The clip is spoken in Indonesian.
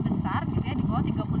memang mengetikan ekspansi